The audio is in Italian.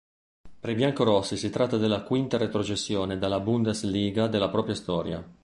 Per i biancorossi si tratta della quinta retrocessione dalla Bundesliga della propria storia.